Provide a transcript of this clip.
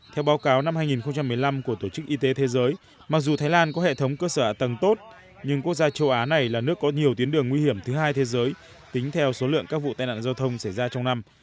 theo báo cáo năm hai nghìn một mươi năm của tổ chức y tế thế giới mặc dù thái lan có hệ thống cơ sở ả tầng tốt nhưng quốc gia châu á này là nước có nhiều tuyến đường nguy hiểm thứ hai thế giới tính theo số lượng các vụ tai nạn giao thông xảy ra trong năm